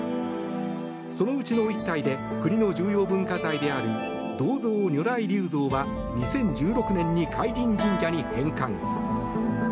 そのうちの１体で国の重要文化財である銅造如来立像は２０１６年に海神神社に返還。